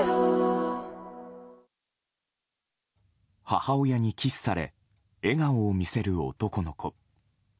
母親にキスされ笑顔を見せる男の子。